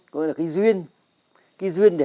có nghĩa là cái duyên